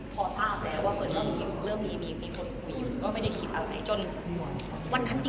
ก็รู้อยู่ก็ไม่ได้คิดอะไร